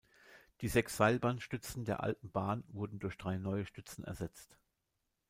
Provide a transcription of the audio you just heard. Die sechs Seilbahnstützen der alten Bahn wurden durch drei neue Stützen ersetzt.